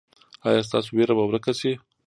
ایا ستاسو ویره به ورکه شي؟